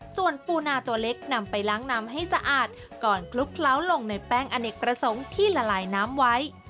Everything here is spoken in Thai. ส่วนปูนาตัวเล็กนำไปล้างน้ำให้สะอาดก่อนคลุกเคล้าลงในแป้งอเนกประสงค์ที่ละลายน้ำไว้